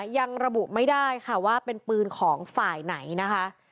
ยังระบุไม่ได้ค่ะว่าเป็นปืนของฝ่ายไหนนะคะ